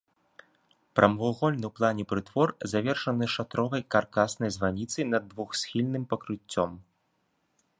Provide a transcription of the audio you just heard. Прамавугольны ў плане прытвор завершаны шатровай каркаснай званіцай над двухсхільным пакрыццём.